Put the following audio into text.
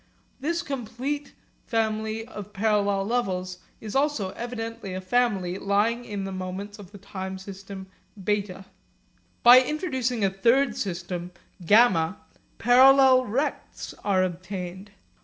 This complete family of parallel levels is also evidently a family lying in the moments of the time system β. By introducing a third time system γ, parallel rects are obtained.